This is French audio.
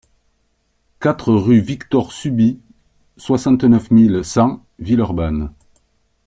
quatre rue Victor Subit, soixante-neuf mille cent Villeurbanne